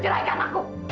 ada yang lo